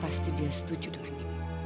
pasti dia setuju denganimu